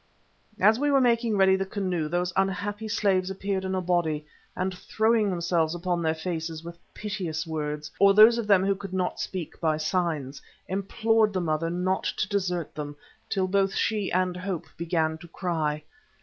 As we were making ready the canoe those unhappy slaves appeared in a body and throwing themselves upon their faces with piteous words, or those of them who could not speak, by signs, implored the Mother not to desert them, till both she and Hope began to cry.